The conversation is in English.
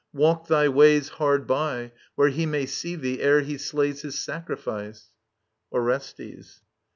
Walk thy ways Hard by, where he may see thee, ere he slays His sacrifice. Orestes.